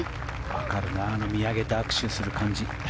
分かるな見上げて握手する感じ。